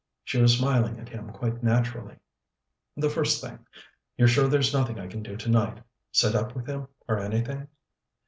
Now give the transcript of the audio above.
She was smiling at him quite naturally. "The first thing. You're sure there's nothing I can do tonight sit up with him, or anything?"